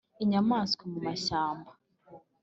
inyamaswa mu mashyamba